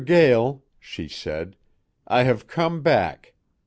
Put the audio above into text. Gael," she said, "I hev come back.